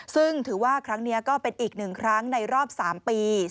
ซึ่งถือว่าครั้งนี้ก็เป็นอีกหนึ่งครั้งในรอบ๓ปี